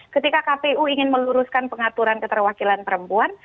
ketika kpu ingin meluruskan pengaturan keterwakilan perempuan